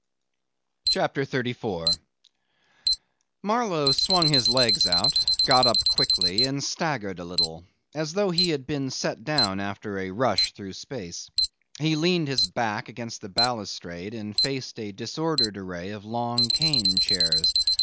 ...' CHAPTER 34 Marlow swung his legs out, got up quickly, and staggered a little, as though he had been set down after a rush through space. He leaned his back against the balustrade and faced a disordered array of long cane chairs.